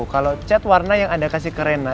kalau chat warna yang anda kasih ke rena